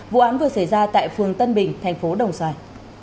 vụ án vừa xảy ra tại phường tân bình thành phố đồng xoài